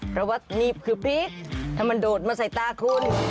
เพราะว่านี่คือพริกถ้ามันโดดมาใส่ตาคุณ